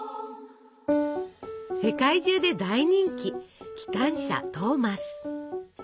世界中で大人気「きかんしゃトーマス」。